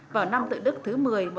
vào năm tự đức thứ một mươi